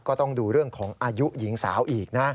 ก็ต้องดูเรื่องของอายุหญิงสาวอีกนะ